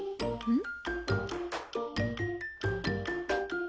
うん？